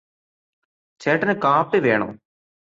ചേട്ടന് കാപ്പി വേണോ?